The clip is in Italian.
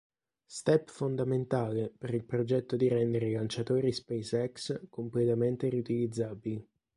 Step fondamentale per il progetto di rendere i lanciatori SpaceX completamente riutilizzabili.